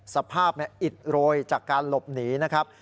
สภาพอิดโรยจากการหลบหนีนะครับ